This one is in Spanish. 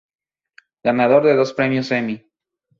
Ganador de dos premios Emmy.